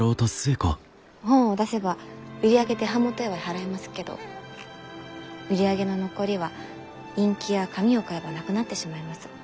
本を出せば売り上げで版元へは払えますけど売り上げの残りはインキや紙を買えばなくなってしまいます。